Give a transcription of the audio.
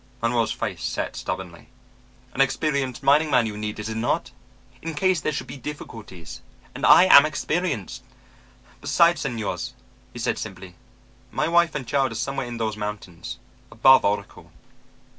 Manuel's face set stubbornly. "An experienced mining man you need, is it not? In case there should be difficulties. And I am experienced. Besides, señores," he said simply, "my wife and child are somewhere in those mountains ... above Oracle...."